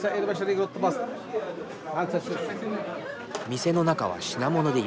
店の中は品物でいっぱい。